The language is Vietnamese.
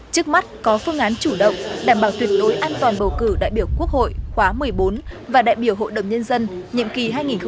trước mắt có phương án chủ động đảm bảo tuyệt đối an toàn bầu cử đại biểu quốc hội khóa một mươi bốn và đại biểu hội đồng nhân dân nhiệm kỳ hai nghìn hai mươi một hai nghìn hai mươi sáu